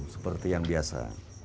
seperti yang biasa